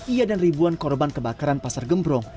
ia dan ribuan korban kebakaran pasar gembrong